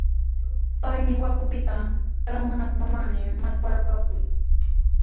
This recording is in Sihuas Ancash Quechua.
Taytaami Huacupita traamunanta manami musyarqaaku.